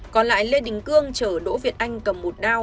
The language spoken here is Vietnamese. còn lại lê đình cương chở đỗ việt anh cầm một đao